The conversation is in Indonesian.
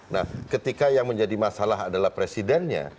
nah ketika yang menjadi masalah adalah presidennya